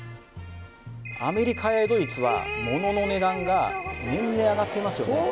アメリカやドイツはモノの値段が年々上がっていますよね